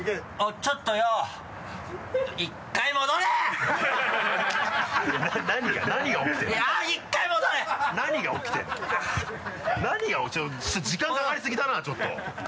ちょっと時間かかりすぎだなちょっと。